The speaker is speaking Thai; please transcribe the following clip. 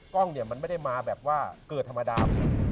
กล้องเนี่ยมันไม่ได้มาแบบว่าเกิดธรรมดา